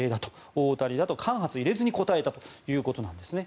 大谷だと間髪入れずに答えたということです。